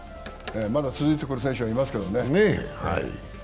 まだ続いてくる選手はいますけどね。